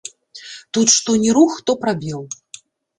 Тут што ні рух, то прабел.